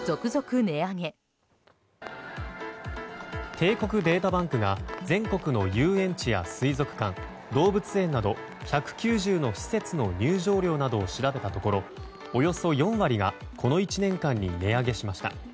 帝国データバンクが全国の遊園地や水族館動物園など１９０の施設の入場料などを調べたところおよそ４割がこの１年間に値上げしました。